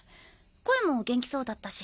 声も元気そうだったし。